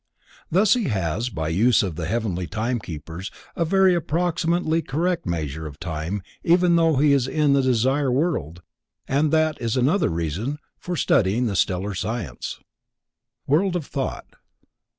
Thus he has by the use of the heavenly time keepers a very approximately correct measure of time even though he is in the Desire World and that is another reason for studying the Stellar Science. _The World of Thought.